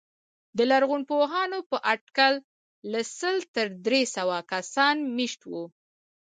د لرغونپوهانو په اټکل له سل تر درې سوه کسان مېشت وو.